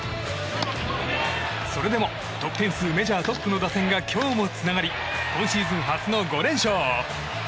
それでも得点数メジャートップの打線が今日もつながり今シーズン初の５連勝。